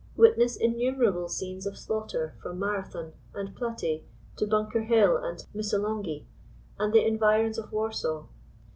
Witness innun\erable scenes of slaughter from Mara thon and Platssa to Bunker Hill and Missolonghi and the envi rons of Warsaw.